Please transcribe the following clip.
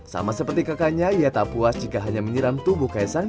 sama seperti kakaknya ia tak puas jika hanya menyiram tubuh kaisang